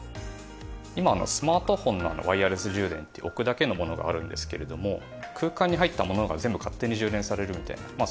今のスマートフォンのワイヤレス充電っていう置くだけのものがあるんですけれども空間に入ったものが全部勝手に充電されるみたいなまあ